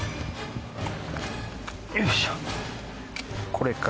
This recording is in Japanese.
これか。